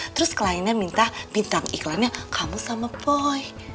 terus kliennya minta bintang iklannya kamu sama poi